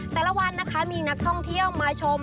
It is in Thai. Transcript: แต่ละวันนะคะมีนักท่องเที่ยวมาชม